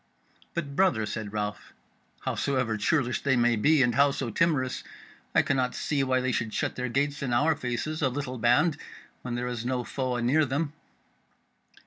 "But, brother," said Ralph, "howsoever churlish they may be, and howso timorous, I cannot see why they should shut their gates in our faces, a little band, when there is no foe anear them."